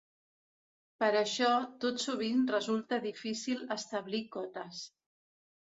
Per això, tot sovint resulta difícil establir cotes.